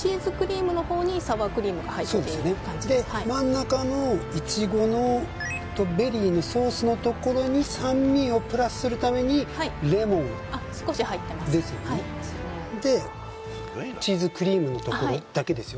そうですよねで真ん中のいちごのとベリーのソースのところに酸味をプラスするためにレモンですよね？でチーズクリームのところだけですよ？